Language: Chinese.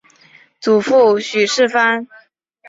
祖父许士蕃。